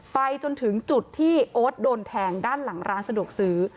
ไปจนถึงจุดที่โอ๊ตโดนแทงด้านหลังร้านสะดวกซื้อ